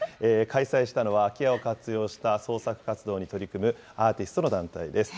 開催したのは空き家を活用した創作活動に取り組むアーティストの団体です。